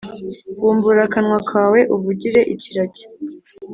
“bumbura akanwa kawe uvugire ikiragi,